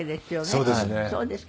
そうですか。